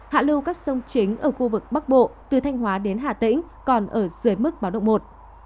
hạ lưu các sông chính ở khu vực bắc bộ từ thanh hóa đến hà tĩnh còn ở dưới mức báo động một